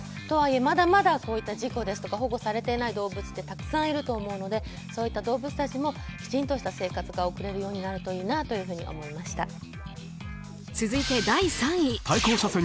とはいえ、まだまだこういう事故ですとか保護されていない動物ってたくさんいると思うのでそういった動物たちもきちんとした生活が送れるようになるといいなと思いました。